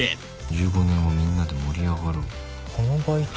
「１５年後みんなで盛り上がろう」「このバイト」